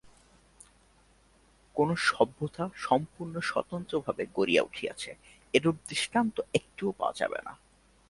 কোন সভ্যতা সম্পূর্ণ স্বতন্ত্রভাবে গড়িয়া উঠিয়াছে, এরূপ দৃষ্টান্ত একটিও পাওয়া যায় না।